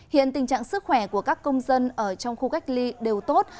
hiện tình trạng sức khỏe của các công dân ở trong khu cách ly đều tốt